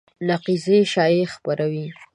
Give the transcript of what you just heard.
نقیضې شایعې خپرې شوې